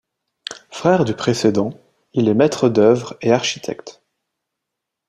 Frère du précédent, il est maître-d'œuvre et architecte.